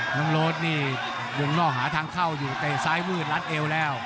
น้องโรดนี่วงนอกหาทางเข้าอยู่เตะซ้ายมืดรัดเอวแล้ว